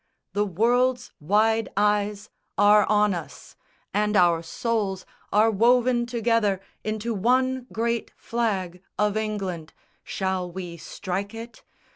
The world's wide eyes are on us, and our souls Are woven together into one great flag Of England. Shall we strike it?